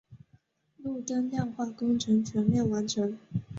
路灯亮化工程全面完成。